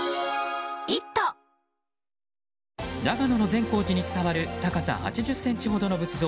長野の善光寺に伝わる高さ８０ｃｍほどの仏像。